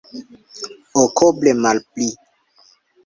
Okoble malpli.